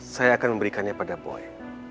saya akan memberikannya pada boy